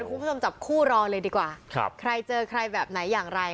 มีความจำจับคู่รอเลยดีกว่าครับใครเจอใครแบบไหนอย่าง